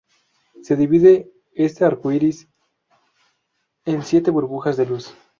Se divide este arco iris en siete burbujas de luz.